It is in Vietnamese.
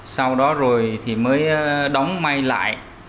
sau đó rồi thì mới đóng may lại